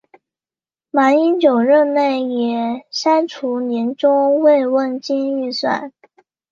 马英九任内也删除年终慰问金预算。